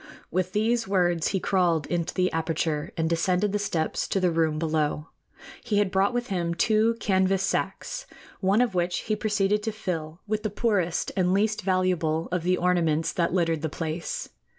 With these words he crawled into the aperture and descended the steps to the room below. He had brought with him two canvas sacks, one of which he proceeded to fill with the poorest and least valuable of the ornaments that littered the place.